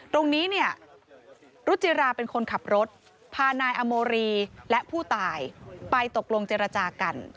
ตรงนี้เนี่ยรุจิราเป็นคนขับรถพานายอโมรีและผู้ตายไปตกลงเจรจากัน